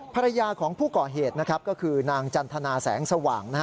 ภรรยาของผู้ก่อเหตุนะครับก็คือนางจันทนาแสงสว่าง